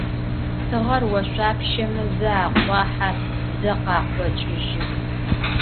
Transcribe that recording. Тыгъэр ошъуапщэмэ зэ акъуахьэ, зэ къакъокӏыжьы.